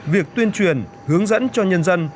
việc tuyên truyền hướng dẫn cho nhân dân